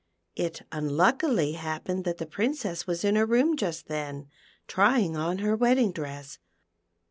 It unluckily happened that the Princess was in her room just then, trying on her wedding dress.